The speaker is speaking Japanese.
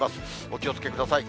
お気をつけください。